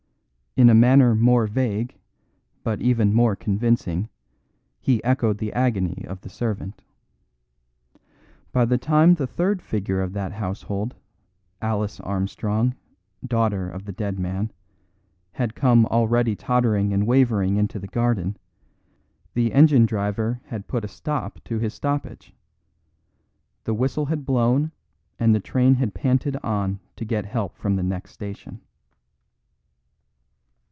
In a manner more vague, but even more convincing, he echoed the agony of the servant. By the time the third figure of that household, Alice Armstrong, daughter of the dead man, had come already tottering and waving into the garden, the engine driver had put a stop to his stoppage. The whistle had blown and the train had panted on to get help from the next station.